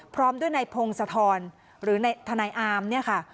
พร้อมด้วยนายพงศธรหรือทนายอามเนี่ยค่ะ